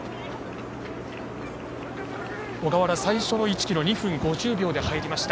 小河原、最初の１ｋｍを２分５０秒で入りました。